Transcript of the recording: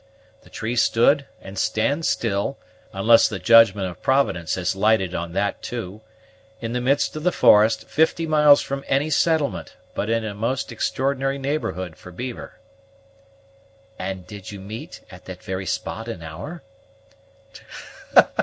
The tree stood, and stands still, unless the judgment of Providence has lighted on that too, in the midst of the forest, fifty miles from any settlement, but in a most extraordinary neighborhood for beaver." "And did you meet at that very spot and hour?"